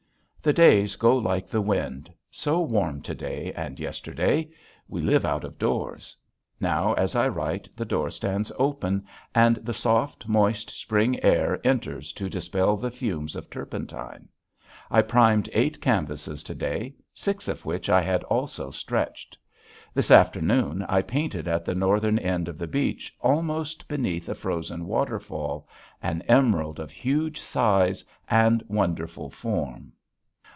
The days go like the wind. So warm to day and yesterday! We live out of doors. Now as I write the door stands open and the soft, moist, spring air enters to dispel the fumes of turpentine. I primed eight canvases to day, six of which I had also stretched. This afternoon I painted at the northern end of the beach almost beneath a frozen waterfall, an emerald of huge size and wonderful form.